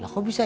lah kok bisa